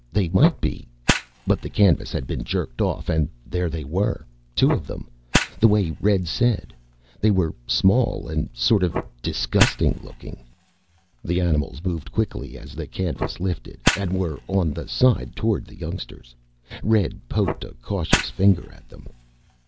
They might be But the canvas had been jerked off and there they were. Two of them, the way Red said. They were small, and sort of disgusting looking. The animals moved quickly as the canvas lifted and were on the side toward the youngsters. Red poked a cautious finger at them.